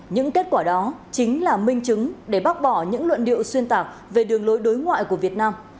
những kết quả đó chính là minh chứng để bác bỏ những luận điệu xuyên tạc về đường lối đối ngoại của việt nam